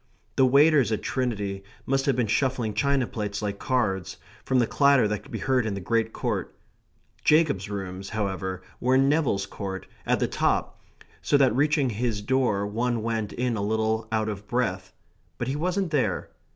The waiters at Trinity must have been shuffling china plates like cards, from the clatter that could be heard in the Great Court. Jacob's rooms, however, were in Neville's Court; at the top; so that reaching his door one went in a little out of breath; but he wasn't there.